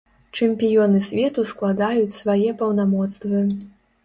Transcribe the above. Чэмпіёны свету складаюць свае паўнамоцтвы.